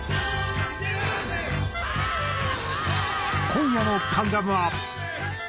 今夜の『関ジャム』は。